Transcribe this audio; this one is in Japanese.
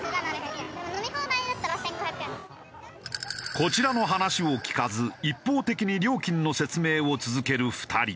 こちらの話を聞かず一方的に料金の説明を続ける２人。